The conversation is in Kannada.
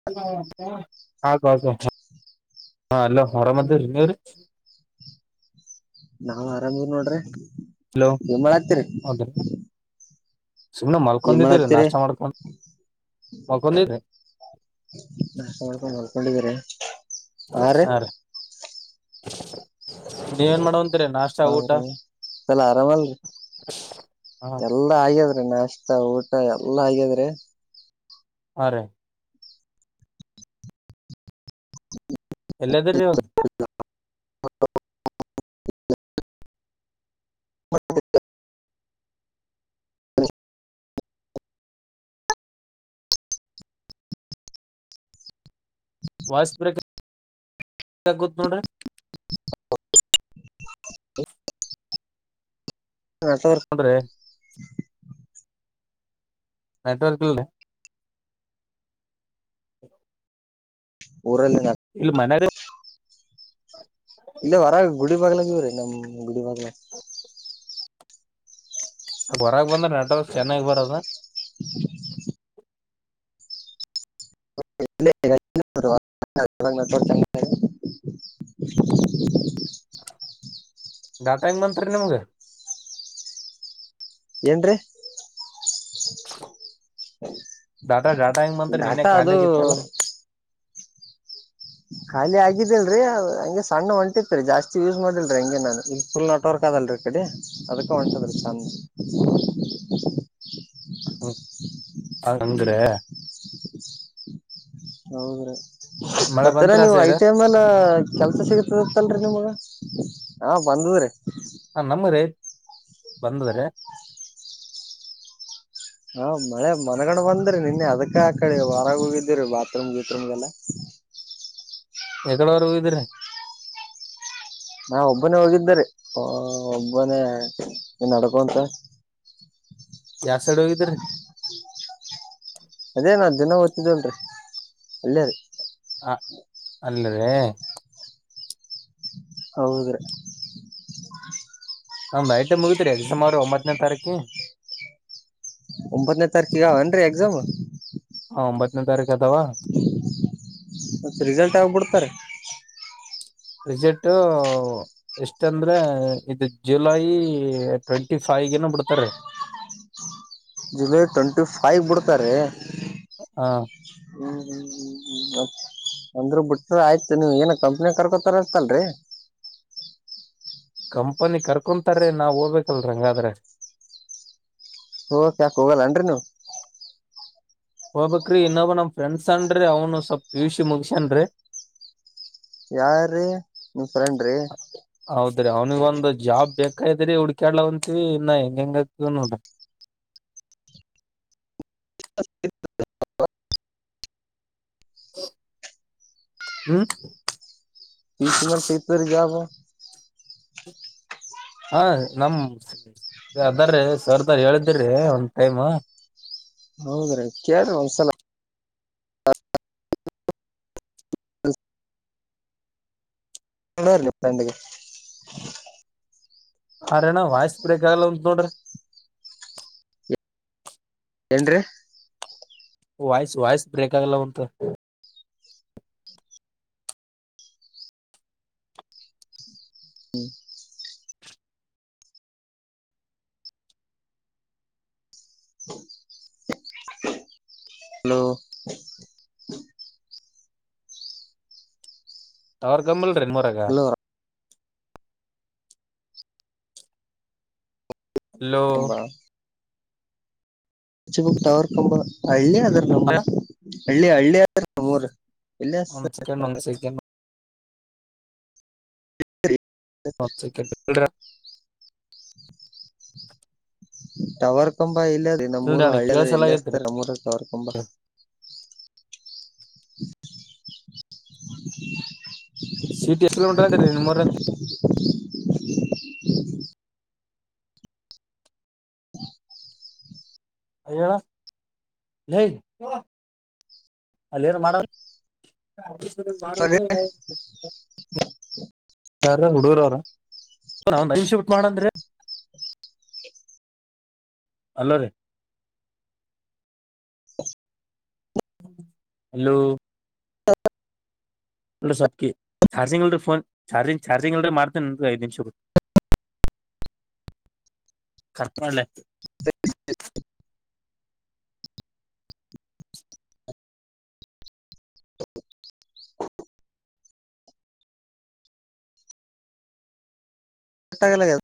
[unintelligible] ನಾವ್ ಆರಾಮ ಇಲ್ಲ ನೋಡ್ರಿ ಹಲೋ ಏನ್ ಮಾಡಾತ್ತೀರಿ [unintelligible] ಸುಮ್ನೆ ಏನ್ ಮಲ್ಕೊಂಡಿದೀರಿ ಮಾಡಾತ್ತೀರಿ ನಾಷ್ಟ ಮಾಡ್ಕೊ ಮಲ್ಕೊಂಡಿರಾ [unintelligible] ಮಾಡ್ಕೊಂಡಿದೀರ ಹಾ ರೀ ನೀವ ಏನ್ ಮಾಡುವಂತರಿ ನಾಷ್ಟ ಊಟ ಹೌದರೀ ಎಲ್ಲಾ ಆರಾಮಲ್ರಿ ಹ ಎಲ್ಲಾ ಎಲ್ಲ ಆಗ್ಯಾದ್ರಿ ನಾಷ್ಟ ಊಟ ಎಲ್ಲಾ ಆಗ್ಯಾದ್ರೆ. ಹಾ ರೀ. ಎಲ್ಲ್ದರಿ ನೀವು. ಹ [unintelligible] ವಾಯ್ಸ್ ಬ್ರೇಕಗತ್ ನೋಡ್ರಿ. ನೆಟವಕ್ರ. ಅಂದ್ರೆ. ನೆಟ್ವರ್ಕ್ ಇಲ್ಲೇ. ಊರಲ್ಲಿನ್. ಇಲ್ಲಿ ಮನಲ್ಲಿ. ಇಲ್ಲ ಹೊರ ಗುಡಿ ಬಾಗ್ಲಾಗ ಇವ್ರೀ ನಮ್ ಗುಡಿ ಬಾಗ್ಲ. ಹೊರಗೆ ಬಂದ್ರೆ ನಟ ಚೆನ್ನಾಗಿ ಬರೋದ. [unintelligible] [unintelligible] [unintelligible] ಡಾಟಾ ಹೆಂಗ್ ಬತ್ರಿ ನಿಮ್ಗೆ. ಏನ್ ರೀ... ಡಾಟಾ ಡಾಟಾ ಹೆಂಗ್ ಬಂತ್ರಿ ನಿನ್ನೆ ಡಾಟಾ ಖಾಲಿ ಅದು. ಆಗಿತ್ತಲ್ಲ ಖಾಲಿ ಆಗಿದಿಲ್ರರಿ ಹಂಗೆ ಸಣ್ಣ ಒಂಟಿತ್ರಿ ಜಾಸ್ತಿ ಯೂಸ್ ಮಾಡಿಲ್ರಿ ಹಂಗಗೆ ನಾನು. ತೋರ್ಕದಲ್ರಿೀ ಈ ಕಡೆ ಅದಕ್ಕೆ ಹೊಂಸದ್ರೀ ಚಂದ ಹ ಅಂದರೆ. ಹೌದ್ರೀ ಮಳೆ ಮತ್ತೆಲ್ಲ ಬಂತ್ರಿ ಆ ನೀವು ಸೈಡ್ ಆಯ್ತೆ. ಆಮೇಲೆ ಕೆಲ್ಸ ಸಿಗತದತ್ತಲ್ರಿ ನಿಮ್ಗ ಹಾ ಬಂದದ್ರಿ. ಹಾ ನಮ ರೇ ಬಂದ್ರದ. ಹಾ ಮಳೆ ಮನಗಂಡ ಬಂದ್ರಿ ನಿನ್ನೆ ಅದಕ್ಕ ಆ ಕಡೆ ವಾರ ಹೋಗಿದ್ದೀರೀ ಬಾತ್ರೂಮ್ ಗೀತ್ರೂಮ್ಗೆಲ್ಲ. ಎಕಡವರೆಗ ಹೂಗಿದ್ರಿ. ನಾ ಒಬ್ಬನೇ ಹೋಗಿದ್ದಿದ್ದಾರೆ ಒಬ್ಬನೇ ನಡ್ಕೊಂತ. ಯಾವ್ ಸೈಡ್ ಹೋಗಿದ್ರರಿ. ಅದೇ ನಾ ದಿನ ಓದ್ತಿದ್ದೇಲ್ರಿ ಅಲ್ಲೇ ಅಲೆರಿ. ಹ ಅಲ್ಲರೇ. ಹೌದರೀ. ನ್ ನೈಟೇ ಮುಗಿದತ್ರಿ ಎಕ್ಸುಮಾರು ಒಂಬತ್ತನೇ ತಾರೀಕಿ. ಒಂಬತ್ತನೇ ತಾರೀಕಿಗೆನ್ರೀ ಎಕ್ಸಾಮ್. ಆ ಹ್ಮ್ ಒಂಬತ್ತನೇ ತಾರೀಕು ಅದವಾ. ಮತ್ತೆ ರಿಸಲ್ಟ್ ಯಾವಾಗ್ ಬಿಟಾತಾರಿ. ರಿಸಲ್ಟ್.... ಎಷ್ಟ ಅಂದ್ರೆ ಇದು ಜುಲೈ ಟ್ವೆಂಟಿ ಫೈವ್ಗೆ ಬಿಡ್ತಾರೆ. ಜುಲೈ ಟ್ವೆಂಟಿ ಫೈವ್ಗೆ ಬಿಡ್ತಾರೆ. ಹಾ. ಹ್ಮ ಅಂದ್ರ ಬಿಟ್ರ ಆಯ್ತು ನೀವ ಏನ ಕಂಪ್ನಿ ಕರ್ಕೊತಾರತಲ್ರರಿ. ಕಂಪನಿ ಕರ್ಕೊಂತಾರ ನಾವ್ ಹೋಗ್ಬೇಕಲ್ ಹಂಗಾದ್ರೆ. ಹೋ ಯಾಕ ಹೋಗಲ್ಲ ಅನ್ರಿ ನೀವು. ಹೋಗಬಕ್ರೀ ಇನ್ನೊಬ ನಮ್ ಫ್ರೆಂಡ್ಸ್ನ್ರಿ ಅವನು ಸ್ವಲ್ ಪಿ ಯು ಸಿ ಮುಗಸಿ ನ್ರಿ. ಯಾರೀ ನಿಮ ಫ್ರೆಂಡ್ರೀ ಹೌದ್ರಿ ಅವನಿಗ್ ಒಂದ್ ಜಾಬ್ ಬೇಕೈತ್ರಿ ಹುಡ್ಕ್ಯಾಡ್ಲ ಅಂತೀವಿ ಇನ್ನಾ ಹೆಂಗ ಹೆಂಗ ಆತಿವ ನೋಡ್ರಿ. [unintelligible] ಹ್ಮ್ ಪಿಸಿ ಮ್ಯಾಲ್ ಸಿಗ್ತುದ್ರಿ ಜಾಬ್ ಆ. ಹಾ ನಮ್ ಅದಾರೀ ಸರ್ದಾರ್ ಹೇಳಿದಿರೀ ಒಂದ್ ಟೈಮ್. ಹೌದ್ರೀ ಕೇಳ್ರಿ ಒಂದ್ಸಲ. ಕೇಳ್ರಿ ನಿಮ್ಮ ಫ್ರಂಡಗೆ. ಆರೇಣ ವಾಯ್ಸ್ ಬೇಕಾಗಲ್ಲ ಉಂತ್ ನೋಡ್ರಿ. ಏನ್ರೀ. ವಾಯ್ಸ್ ವಾಯ್ಸ್ ಬ್ರೇಕ್ ಆಗಲ್ಲಾಕ ಕುಂತದ. ಹ್ಮ ಹಲೋ. ಅವ್ರ ಗಮ್ಮಲ್ರಿ ನಿಮ್ಮ ಊರಾಗ. ಎಲ್ಲೋ ಹಲೋ. ಕಂಬ ಬುಕ್ ಟವರ್ ಕಂಬ ಹಳ್ಳಿ ಅದ್ರ ನಮ್ ಹಳ್ಳಿ ಹಳ್ಳಿ ನಮ್ಮೂರ್ ಇಲ್ಲೇ. ಒಂದ್ ಸೆಕೆಂಡ್ ಒಂದ್ [unintelligible] ಸೆಕೆಂಡ್ ಒಂದ್ ಸೆಕೆಂಡ್. [unintelligible] ಟವರ್ ಕಂಬ ಇಲ್ಲದೆ ಇಲ್ರಿ ನಮ್ಮೂರು ಅಣ್ಣ ಹಳ್ಳದ್ರ ಕೇಳಸಲ ಆಗೇತ್ರಿ ಇಲ್ಲತ ಟವರ್ ಕಂಬ. ಸಿಟಿ ಎಷ್ಟ ಕಿಲೋಮೀಟರ ಅದರಿ ನಿಮ್ಮೂರಿದಿಂದ. ಹೇಳ ಲೇ ಅಲ್ಲ ಏನೋ ಮಾಡ ಆ ಮಾಡಾರ [unintelligible] ಯಾರ ಹುಡುಗುರ ಹಾರ ಒಂದ ಐದ ನಿಮಿಷ ಬಿಟ್ಟ ಮಾಡಾಂನ್ರೀ. ಹಲೋ ರೀ. ಹಲೋ. [unintelligible] ಅಲ್ ಸೊಪ್ಕ ಚಾರ್ಜಿಂಗ ಇಲ್ರಿ ಫೋನ್ ಚಾರ್ಜಿ ಚಾರ್ಜಂಗ್ ಇಲ್ರಿ ಮಾಡ್ತೇನರೀ ಐದ ನಿಮಿಷ ಬಿಟ್ರಿ. [inaudible] ಕಟ ಮಾಡ್ಲೆ. [unintelligible] [inaudible] ಕಟ ಅಗಲಗ್ಯಾದ.